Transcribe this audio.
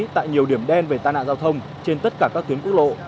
tại nhiều điểm đen về tai nạn giao thông trên tất cả các tuyến quốc lộ